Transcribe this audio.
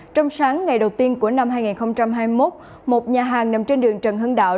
trong sáng ngày đầu tiên của năm hai nghìn hai mươi một một nhà hàng nằm trên đường trần hưng đạo